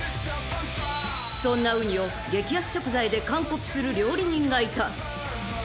［そんなうにを激安食材でカンコピする料理人がいた］